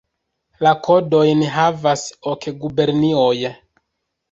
La kodojn havas ok gubernioj.